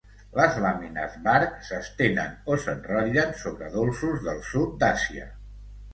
Les làmines Vark s'estenen o s'enrotllen sobre dolços del sud d'Àsia.